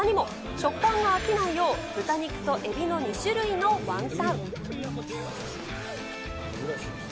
食感が飽きないよう、豚肉とエビの２種類のワンタン。